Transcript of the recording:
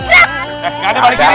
eh nggak ada balik kiri